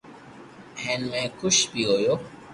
ھين ۾ خوݾ بي ھويو